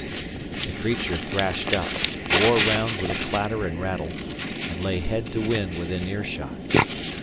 The creature threshed up, wore round with a clatter and raffle, and lay head to wind within ear shot.